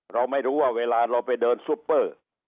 เราไม่รู้ว่าเวลาเราไปเดินซุปเปอร์